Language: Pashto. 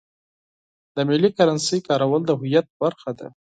د ملي کرنسۍ کارول د هویت برخه ده.